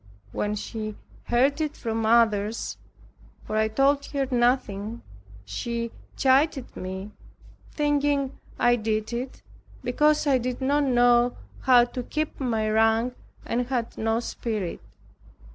When she heard it from others (for I told her nothing) she chided me thinking I did it because I did not know how to keep my rank and had no spirit.